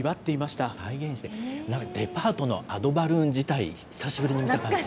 なんかデパートのアドバルーン自体、久しぶりに見た感じ。